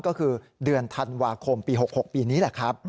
ก็คือเดือนธันวาคมปี๖๖ปีนี้